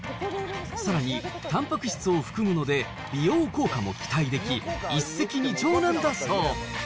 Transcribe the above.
さらにたんぱく質を含むので、美容効果も期待でき、一石二鳥なんだそう。